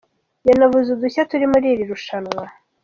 Yanavuze udushya turi muri iri rushanwa .